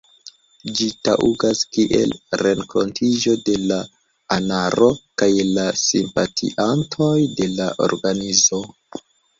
Ĝi taŭgas kiel renkontiĝo de la anaro kaj la simpatiantoj de la organizo.